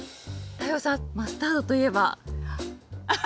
太陽さんマスタードといえば。